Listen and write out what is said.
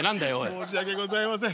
申し訳ございません。